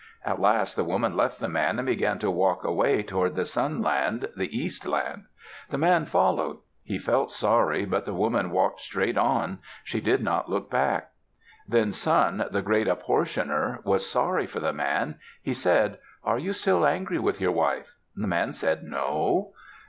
At last the woman left the man and began to walk away toward the Sunland, the Eastland. The man followed. He felt sorry, but the woman walked straight on. She did not look back. Then Sun, the great Apportioner, was sorry for the man. He said, "Are you still angry with your wife?" The man said, "No."